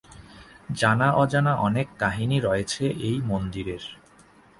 জানা অজানা অনেক কাহিনী রয়েছে এই মন্দিরের।